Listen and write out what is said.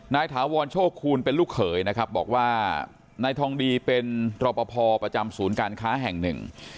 ถาวรโชคคูณเป็นลูกเขยนะครับบอกว่านายทองดีเป็นรอปภประจำศูนย์การค้าแห่งหนึ่ง